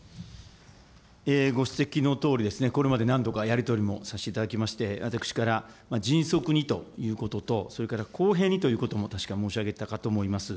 ご指摘のとおり、これまで何度かやり取りもさせていただきまして、私から迅速にということと、それから公平にということも確か申し上げたかと思います。